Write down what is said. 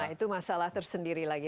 itu masalah tersendiri lagi